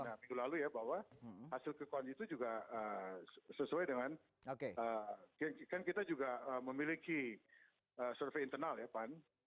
nah minggu lalu ya bahwa hasil quick count itu juga sesuai dengan kan kita juga memiliki survei internal ya pan